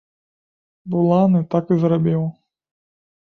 Буланы так і зрабіў.